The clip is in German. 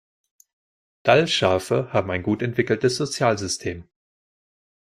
Dall-Schafe haben ein gut entwickeltes Sozialsystem.